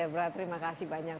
debra terima kasih banyak